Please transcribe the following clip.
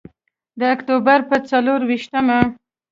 د اکتوبر په څلور ویشتمه.